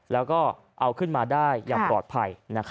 แล้วก็เอาขึ้นมาได้อย่างปลอดภัย